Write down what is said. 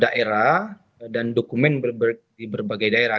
daerah dan dokumen di berbagai daerah